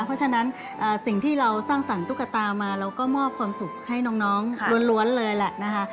เพราะฉะนั้นสิ่งที่เราสร้างสรรคตุ๊กตามาเราก็มอบความสุขให้น้องล้วนเลยแหละนะคะ